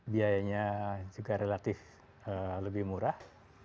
biayanya juga relatif lebih murah